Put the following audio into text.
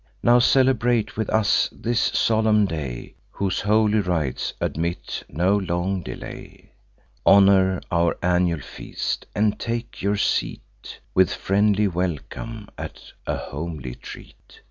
Now celebrate with us this solemn day, Whose holy rites admit no long delay. Honour our annual feast; and take your seat, With friendly welcome, at a homely treat."